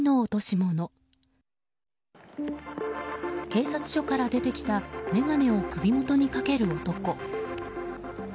警察署から出てきた眼鏡を首元にかける男。